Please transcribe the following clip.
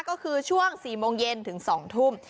ก็คือช่วง๔โมงเย็นถึง๒ทุ่ม